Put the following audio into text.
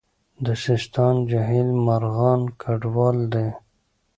د سیستان جهیل مرغان کډوال دي